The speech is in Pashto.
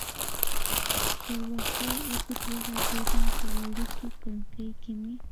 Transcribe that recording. پر وښو اوږد وغځېدم، په وړوکې کړکۍ کې مې.